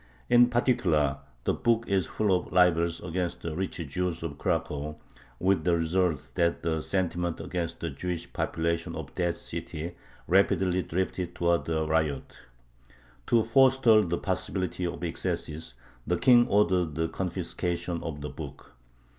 In particular, the book is full of libels against the rich Jews of Cracow, with the result that the sentiment against the Jewish population of that city rapidly drifted towards a riot. To forestall the possibility of excesses the King ordered the confiscation of the book.